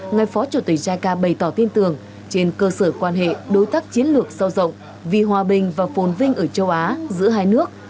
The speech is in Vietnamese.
ngài phó chủ tịch jica bày tỏ tin tưởng trên cơ sở quan hệ đối tác chiến lược sâu rộng vì hòa bình và phồn vinh ở châu á giữa hai nước